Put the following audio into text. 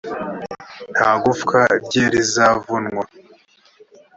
nta gufwa rye rizavunwa